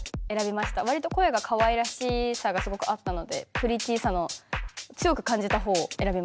わりと声がかわいらしさがすごくあったのでプリティーさの強く感じたほうを選びました。